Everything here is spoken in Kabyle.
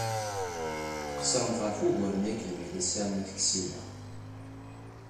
Tqeṣṣremt ɣef wugur-nni akked Milisa n At Ksila.